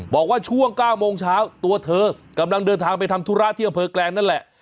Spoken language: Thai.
บอกว่าช่วง๙โมงเช้าตัวเธอกำลังเดินทางไปทำธุระที่อำเภอแกลงนั่นแหละ